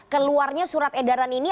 keluarnya surat edaran ini